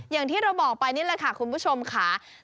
อย่างที่เราบอกไปนี่แหละค่ะคุณผู้ชมค่ะ